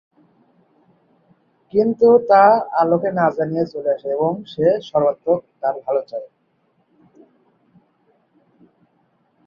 কিন্তু তা আলোকে না জানিয়ে চলে আসে এবং সে সর্বাত্মক তার ভাল চায়।